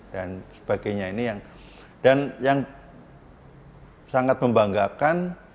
dan sebagainya ini yang sangat membanggakan